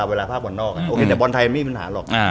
เวลาภากบดนอกบอลไทยไม่มีปัญหาหรอก